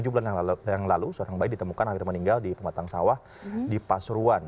tujuh bulan yang lalu seorang bayi ditemukan hampir meninggal di pematang sawah di pasuruan